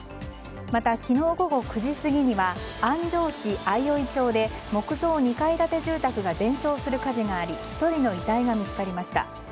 また昨日午後９時過ぎには安城市相生町で木造２階建て住宅が全焼する火事があり１人の遺体が見つかりました。